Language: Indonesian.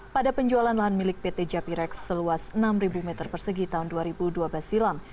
pada penjualan lahan milik pt japirex seluas enam meter persegi tahun dua ribu dua belas silam